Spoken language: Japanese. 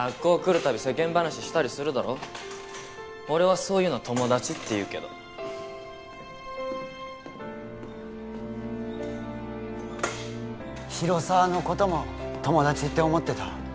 たび世間話したりするだろ俺はそういうの友達っていうけど広沢のことも友達って思ってた？